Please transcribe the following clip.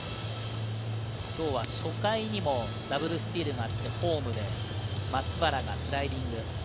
今日は初回にもダブルスチールのあと、ホームで松原がスライディング。